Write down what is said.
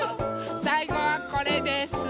さいごはこれです。